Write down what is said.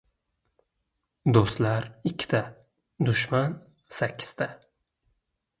• Do‘stlar ikkita, dushman sakkizta.